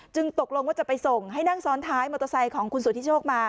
ตกลงว่าจะไปส่งให้นั่งซ้อนท้ายมอเตอร์ไซค์ของคุณสุธิโชคมา